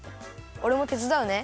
おれもてつだうね。